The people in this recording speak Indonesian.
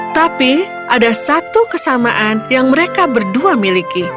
tapi ada satu kesamaan yang mereka berdua miliki